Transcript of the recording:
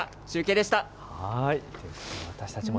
中継でした。